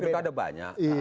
tapi ini pk ada banyak